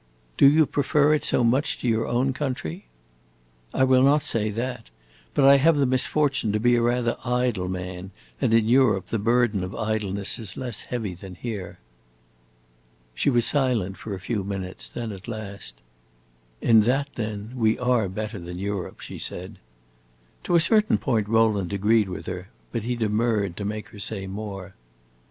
"Do you prefer it so much to your own country?" "I will not say that. But I have the misfortune to be a rather idle man, and in Europe the burden of idleness is less heavy than here." She was silent for a few minutes; then at last, "In that, then, we are better than Europe," she said. To a certain point Rowland agreed with her, but he demurred, to make her say more.